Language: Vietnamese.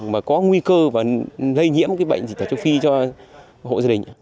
mà có nguy cơ và lây nhiễm bệnh dịch tả châu phi cho hộ gia đình